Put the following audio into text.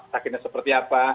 sakitnya seperti apa